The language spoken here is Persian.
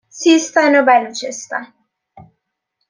سیستان و بلوچستان